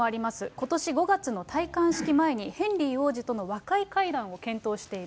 ことし５月の戴冠式前に、ヘンリー王子との和解会談を検討している。